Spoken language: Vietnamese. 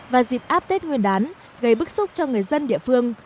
và dịp áp tết nguyên đán gây bức xúc cho người dân địa phương